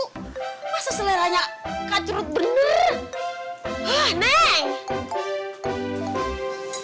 masa seleranya kacurut bener